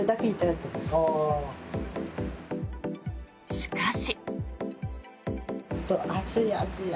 しかし。